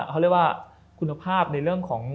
เขาเรียกว่าคุณภาพในเรื่องของ